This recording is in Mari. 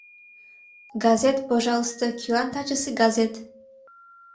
— Газет, пожалуйста, кӧлан тачысе газет!